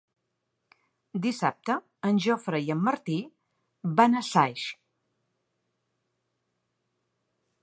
Dissabte en Jofre i en Martí van a Saix.